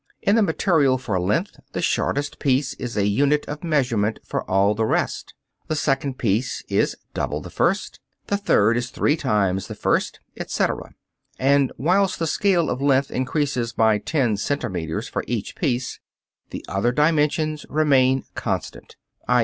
In the material for length the shortest piece is a unit of measurement for all the rest; the second piece is double the first, the third is three times the first, etc., and, whilst the scale of length increases by ten centimeters for each piece, the other dimensions remain constant (_i.